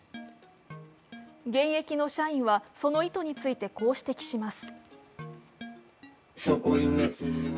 現役の社員はその意図について、こう指摘します